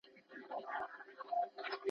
د همزولو په ټولۍ کي ګلدسته یم ..